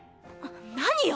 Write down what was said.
何よ